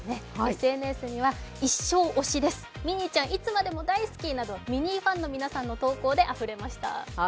ＳＮＳには、一生推しです、ミニーちゃん、いつまでも大好きなどミニーファンの皆さんの投稿であふれました。